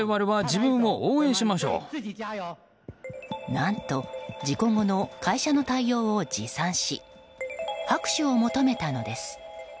何と事故後の会社の対応を自賛し、拍手を求めたのです。